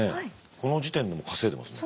この時点で稼いでますね。